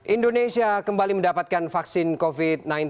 indonesia kembali mendapatkan vaksin covid sembilan belas